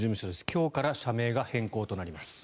今日から社名が変更となります。